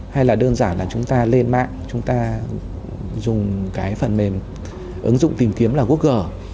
hay là đơn giản là chúng ta lên mạng chúng ta dùng cái phần mềm ứng dụng tìm kiếm là google